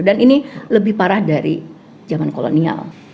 dan ini lebih parah dari zaman kolonial